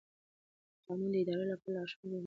قانون د ادارې لپاره لارښود ګڼل کېږي.